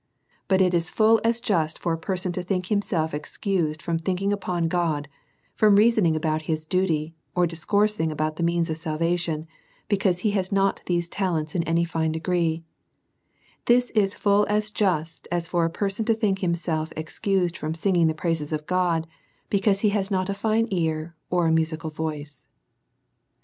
But it is fully as just for a person to think himself excused from thinking upon God, from reasoning about his duty to him, or dis coursing about the means of salvation, because he has not these talents in any fine degree ; this is fully as just as for a person to think himself excused from sing ing the praises of God, because he has not a fine ear or a musical voice.